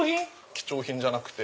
貴重品じゃなくて。